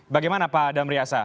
bagaimana pak damriasa